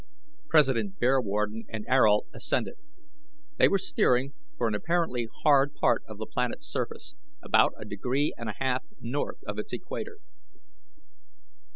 President Bearwarden and Ayrault assented. They were steering for an apparently hard part of the planet's surface, about a degree and a half north of its equator.